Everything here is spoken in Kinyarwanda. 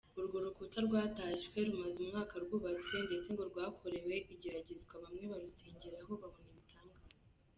Urwo rukuta rwatashywe, rumaze umwaka rwubatswe ndetse ngo rwakorewe igeragezwa bamwe barusengeraho babona ibitangaza.